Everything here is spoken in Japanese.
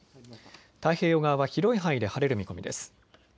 太平洋側は広い範囲で晴れる見込みです。